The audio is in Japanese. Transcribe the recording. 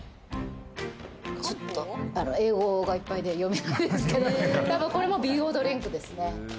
ちょっと英語がいっぱいで読めないんですけど、多分これも美容ドリンクですね。